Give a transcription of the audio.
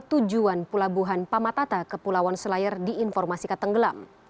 tujuan pelabuhan pamatata ke pulauan selayar diinformasikan tenggelam